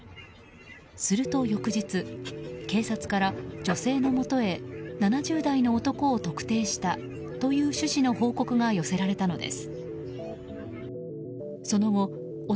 すると翌日警察から女性のもとへ７０代の男を特定したという趣旨の報告が寄せられたのです。